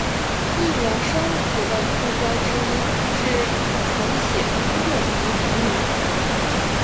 异源生物学的目标之一是重写通用遗传密码。